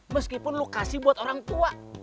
meskipun lo kasih buat orang tua